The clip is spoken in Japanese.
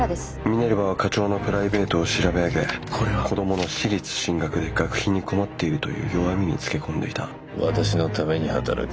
ミネルヴァは課長のプライベートを調べ上げ子どもの私立進学で学費に困っているという弱みにつけ込んでいた私のために働け。